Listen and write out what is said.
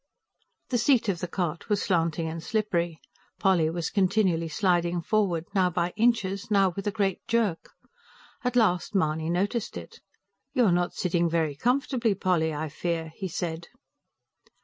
The seat of the cart was slanting and slippery. Polly was continually sliding forward, now by inches, now with a great jerk. At last Mahony noticed it. "You are not sitting very comfortably, Polly, I fear?" he said.